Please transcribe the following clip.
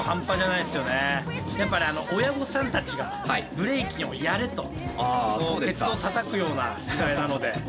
やっぱね親御さんたちがブレイキンをやれとケツをたたくような時代なので。